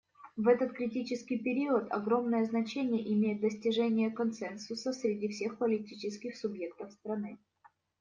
В этот критический период огромное значение имеет достижение консенсуса среди всех политических субъектов страны.